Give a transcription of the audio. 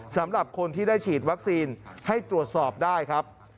สำหรับคนที่ได้ฉีดวัคซีนให้ตรวจสอบได้ครับ